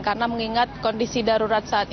karena mengingat kondisi darurat saat ini